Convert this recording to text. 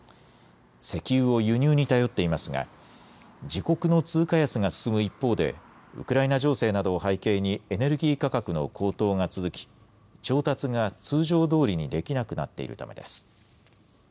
石油を輸入に頼っていますが自国の通貨安が進む一方でウクライナ情勢などを背景にエネルギー価格の高騰が続き調達が通常どおりにできなくなっているためです。